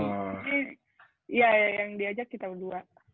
iya iya yang diajak kita berdua